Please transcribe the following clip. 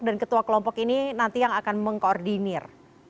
dan ketua kelompok ini nanti yang akan mengkoordinir